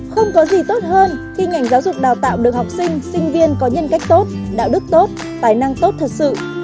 không có gì tốt hơn khi ngành giáo dục đào tạo được học sinh sinh viên có nhân cách tốt đạo đức tốt tài năng tốt thật sự